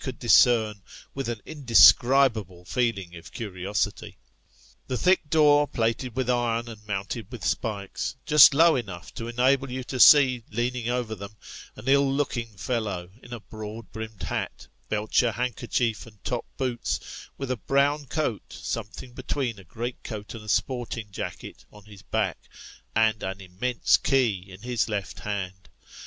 145 Could discern, with an indescribable feeling of curiosity ? The thick door, plated with iron and mounted with spikes, just low enough to enable you to see, leaning over them, an ill looking fellow, in a broad brimmed hat, belcher handkerchief and top boots : with a brown coat, something between a great coat and a " sporting " jacket, on his back, and an immense key in his left hand.